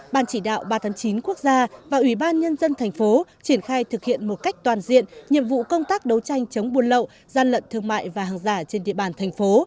ban chỉ đạo ba trăm tám mươi chín quốc gia và ủy ban nhân dân thành phố triển khai thực hiện một cách toàn diện nhiệm vụ công tác đấu tranh chống buôn lậu gian lận thương mại và hàng giả trên địa bàn thành phố